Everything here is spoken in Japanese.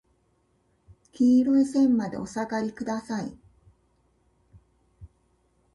黄色い線までお下りください。